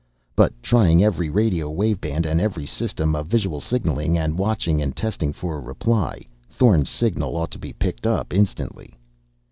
But, trying every radio wave band, and every system of visual signaling, and watching and testing for a reply, Thorn's signal ought to be picked up instantly.